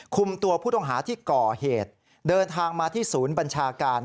คุมตัวผู้ต้องหาที่ก่อเหตุเดินทางมาที่ศูนย์บัญชาการ